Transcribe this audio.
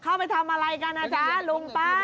เข้าไปทำอะไรกันนะจ๊ะลุงป้า